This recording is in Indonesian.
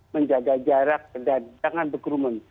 menjaga jarak dan jangan berkerumun